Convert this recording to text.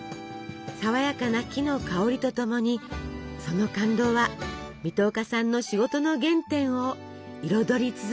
爽やかな木の香りとともにその感動は水戸岡さんの仕事の原点を彩り続けます。